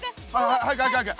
早く早く早く。